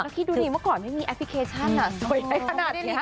พี่ดูนี่เมื่อก่อนไม่มีแอปพลิเคชันอะสวยไปขนาดนี้นะ